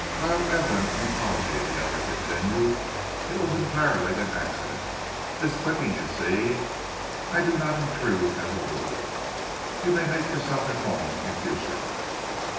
"I owe Evelyn an apology," the other continued. "It was entirely an accident—this clipping, you see. I do not intrude, as a rule. You may make yourself at home in future."